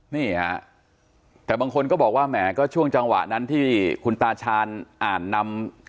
นี่ฮะแต่บางคนก็บอกว่าแหมก็ช่วงจังหวะนั้นที่คุณตาชาญอ่านนำ